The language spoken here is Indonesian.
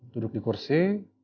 duduk di kursi